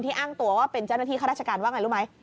อ้างตัวว่าเป็นเจ้าหน้าที่ข้าราชการว่าไงรู้ไหม